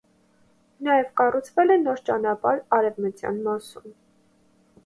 Նաև կառուցվել է նոր ճանապարհ արևմտյան մասում։